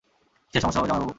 কিসের সমস্যা হবে, জামাইবাবু?